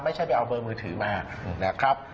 ไม่ใช่ไปเอาเบอร์มือถือมานะครับ